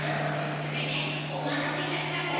続いてお待たせいたしました！